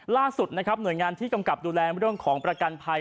ล่าสุดนะครับหน่วยงานที่กำกับดูแลเรื่องของประกันภัย